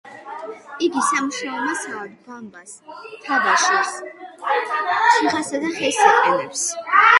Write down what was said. იგი სამუშაო მასალად ბამბას, თაბაშირს, თიხასა და ხეს იყენებს.